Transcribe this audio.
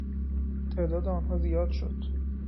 تعداد آنها زیاد شد.